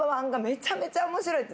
めちゃめちゃ面白い。